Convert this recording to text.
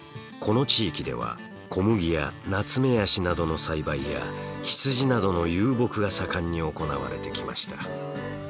この地域では小麦やナツメヤシなどの栽培や羊などの遊牧が盛んに行われてきました。